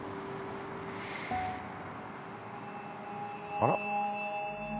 あら？